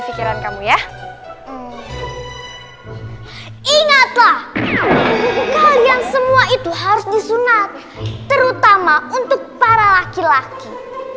pikiran kamu ya ingatlah kalian semua itu harus disunat terutama untuk para laki laki